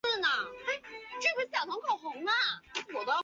这些微粒对太空风化过程起到了主要作用。